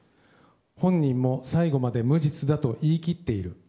本人も最後まで無実だと言い切っている。